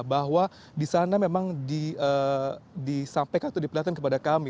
bahwa di sana memang disampaikan atau diperlihatkan kepada kami bahwa di sana memang disampaikan atau diperlihatkan kepada kami